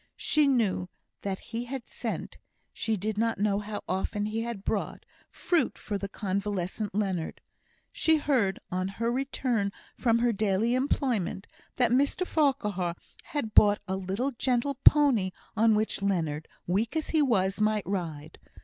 She knew that he had sent she did not know how often he had brought fruit for the convalescent Leonard. She heard, on her return from her daily employment, that Mr Farquhar had brought a little gentle pony on which Leonard, weak as he was, might ride.